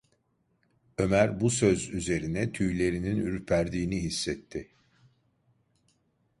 Ömer bu söz üzerine tüylerinin ürperdiğini hissetti.